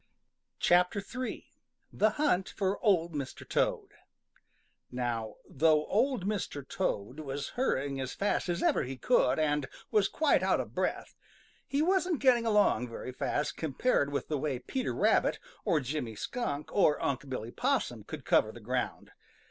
III THE HUNT FOR OLD MR. TOAD Now, though Old Mr. Toad was hurrying as fast as ever he could and was quite out of breath, he wasn't getting along very fast compared with the way Peter Rabbit or Jimmy Skunk or Unc' Billy Possum could cover the ground.